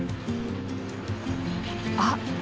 あ！